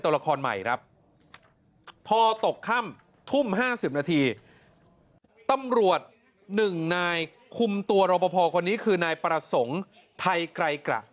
ตำรวจหนึ่งนายคุมตัวรอปภคนนี้คือนายปรสงศ์ไทยไกรกระ